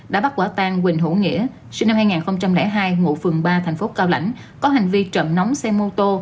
đã bắt quả tan quỳnh hữu nghĩa sinh năm hai nghìn hai ngụ phường ba thành phố cao lãnh có hành vi trộm nóng xe mô tô